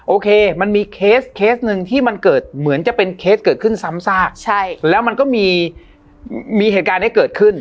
โอเคมันมีเคสเคสหนึ่งที่มันเกิดเหมือนจะเป็นเคสเกิดขึ้นซ้ำซากใช่แล้วมันก็มีเหตุการณ์นี้เกิดขึ้น